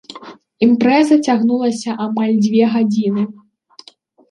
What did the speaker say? Імпрэза цягнулася амаль дзве гадзіны.